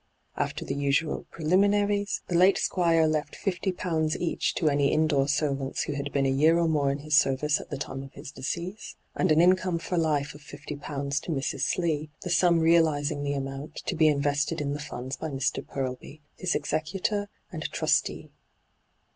After the usual preliminaries, the late Squire left £50 each to any indoor servants who had been a year or more in his service at the time of his decease, and an income for life of £50 to Mrs. Slee, the sum realizing the amount to be invested in the funds by Mr. Purlby, his executor and trustee.